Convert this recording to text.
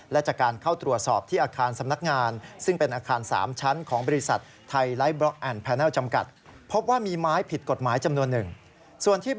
และจากการเข้าตรวจสอบที่อาคารสำนักงาน